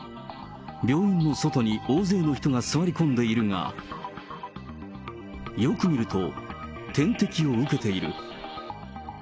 病院の外に大勢の人が座り込んでいるが、よく見ると、点滴を受けている。